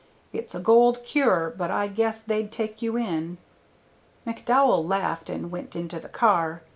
It's a gold cure, but I guess they'd take you in." McDowell laughed and went into the car.